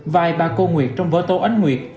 vai ba cô nguyệt trong vở tô ánh nguyệt